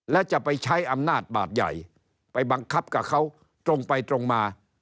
และจะไปใช้อำนาจบาดใหญ่ไปบังคับกับเขาตรงไปตรงมา